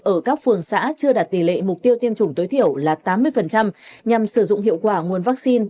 ở các phường xã chưa đạt tỷ lệ mục tiêu tiêm chủng tối thiểu là tám mươi nhằm sử dụng hiệu quả nguồn vaccine